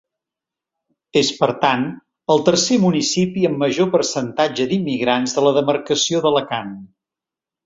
És, per tant, el tercer municipi amb major percentatge d'immigrants de la demarcació d'Alacant.